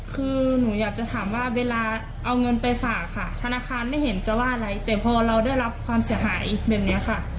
คือหนูอยากจะถามว่าเวลาเอาเงินไปฝากค่ะธนาคารไม่เห็นจะว่าอะไรแต่พอเราได้รับความเสียหายแบบนี้ค่ะ